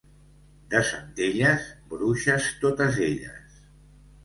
De Centelles, bruixes totes elles.